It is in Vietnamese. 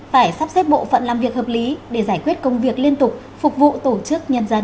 phải sắp xếp bộ phận làm việc hợp lý để giải quyết công việc liên tục phục vụ tổ chức nhân dân